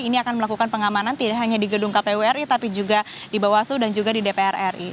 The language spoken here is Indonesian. ini akan melakukan pengamanan tidak hanya di gedung kpu ri tapi juga di bawaslu dan juga di dpr ri